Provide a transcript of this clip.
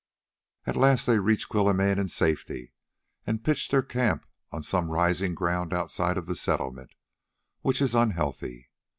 At last they reached Quilimane in safety, and pitched their camp on some rising ground outside of the settlement, which is unhealthy.